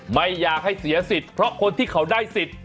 ไม่อยากให้เสียสิทธิ์เพราะคนที่เขาได้สิทธิ์